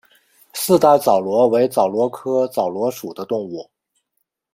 四带枣螺为枣螺科枣螺属的动物。